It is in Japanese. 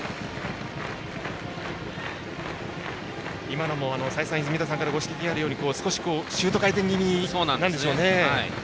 今のも再三、泉田さんからご指摘があるように少しシュート回転気味なんでしょうね。